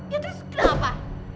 ya terus kenapa